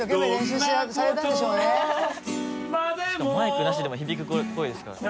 しかもマイクなしでも響く声ですから。